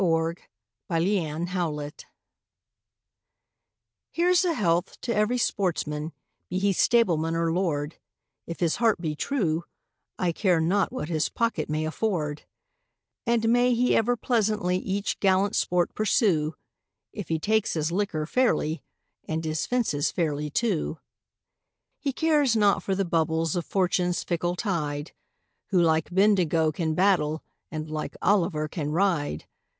A Hunting Song Here's a health to every sportsman, be he stableman or lord, If his heart be true, I care not what his pocket may afford; And may he ever pleasantly each gallant sport pursue, If he takes his liquor fairly, and his fences fairly, too. He cares not for the bubbles of Fortune's fickle tide, Who like Bendigo can battle, and like Olliver can ride.